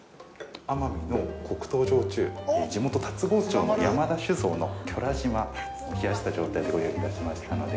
奄美の黒糖焼酎地元、龍郷町の山田酒造のきょらじまを冷やした状態でご用意いたしましたので。